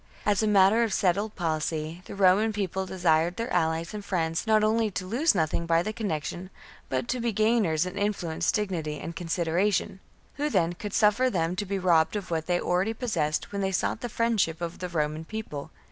As a matter of settled policy, the Roman People desired their allies and friends not only to lose nothing by the connexion, but to be gainers in influence, dignity, and consideration ; who, then, could suffer them to be robbed of what they already possessed when they sought the friend ship of the Roman People